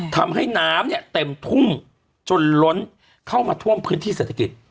ทำให้น้ำเนี่ยเต็มทุ่มจนล้นเข้ามาท่วมพื้นที่เศรษฐกิจ